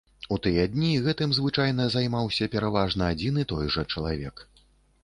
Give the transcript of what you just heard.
У тыя дні гэтым звычайна займаўся пераважна адзін і той жа чалавек.